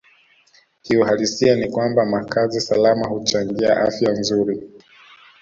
Kiuhalisia ni kwamba makazi salama huchangia afya nzuri